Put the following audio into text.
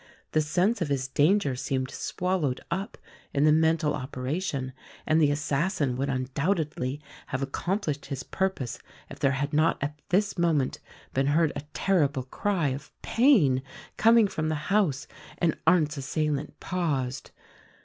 The sense of his danger seemed swallowed up in the mental operation, and the assassin would undoubtedly have accomplished his purpose if there had not at this moment been heard a terrible cry of pain coming from the house and Arndt's assailant paused.